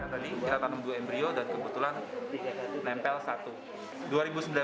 tadi kita tanam dua embryo dan kebetulan nempel satu